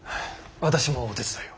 私もお手伝いを。